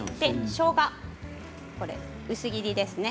しょうが、薄切りですね。